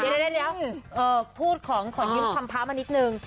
เดี๋ยวพูดของขอยิ้มคำพ้ามานิดนึง